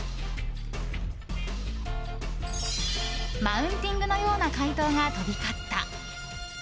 マウンティングのような回答が飛び交った。